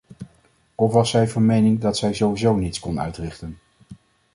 Of was zij van mening dat zij sowieso niets kon uitrichten?